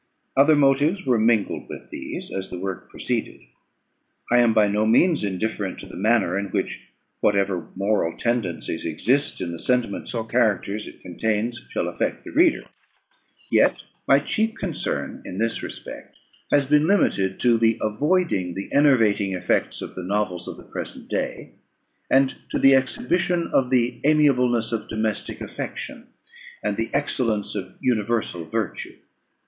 Other motives were mingled with these, as the work proceeded. I am by no means indifferent to the manner in which whatever moral tendencies exist in the sentiments or characters it contains shall affect the reader; yet my chief concern in this respect has been limited to the avoiding the enervating effects of the novels of the present day, and to the exhibition of the amiableness of domestic affection, and the excellence of universal virtue.